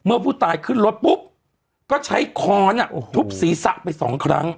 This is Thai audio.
เมื่อผู้ตายขึ้นรถปุ๊บก็ใช้ค้อนทุบศีรษะไปสองครั้ง